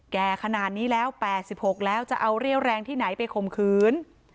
แก่ขนาดนี้แล้ว๘๖แล้วจะเอาเรี่ยวแรงที่ไหนไปข่มขืน